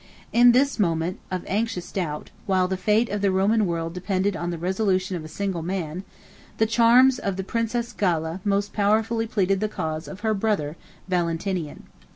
In this moment of anxious doubt, while the fate of the Roman world depended on the resolution of a single man, the charms of the princess Galla most powerfully pleaded the cause of her brother Valentinian.